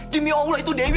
demi allah itu dewi